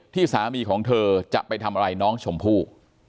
ที่สามีของเธอจะไปทำร้ายน้องชมพู่